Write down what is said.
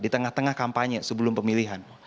di tengah tengah kampanye sebelum pemilihan